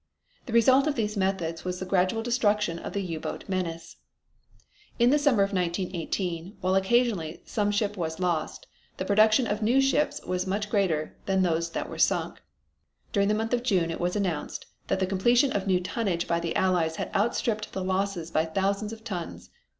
The result of these methods was the gradual destruction of the U boat menace. In the summer of 1918, while occasionally some ship was lost, the production of new ships was much greater than those that were sunk. During the month of June it was announced that the completion of new tonnage by the Allies had outstripped the losses by thousands of tons.